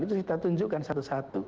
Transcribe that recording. itu kita tunjukkan satu satu